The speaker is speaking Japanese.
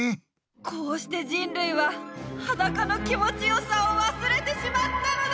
こうして人類ははだかの気持ち良さをわすれてしまったのだ！